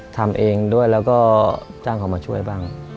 ทำเองด้วยแล้วก็จ้างเขามาช่วยบ้าง